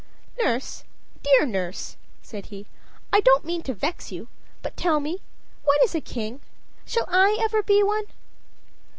"Nurse dear nurse," said he, "I don't mean to vex you, but tell me what is a king? shall I ever be one?"